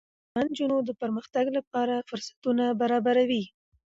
کلتور د افغان نجونو د پرمختګ لپاره فرصتونه برابروي.